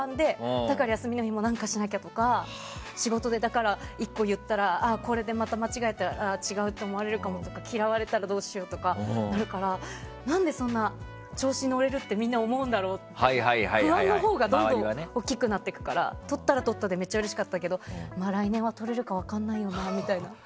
だから休みの日も何かしなきゃとか仕事で、これでまた間違えたら違うって思われるかもとか嫌われたらどうしようってなるから何でそんな調子に乗れるってみんな思うんだろうって不安のほうがどんどん大きくなってくるから取ったら取ったでめっちゃうれしかったけど来年は取れるか分からないよなって。